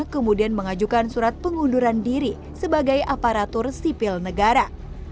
kemudian mengajukan surat pengunduran diri sebagai aparatur sipil negara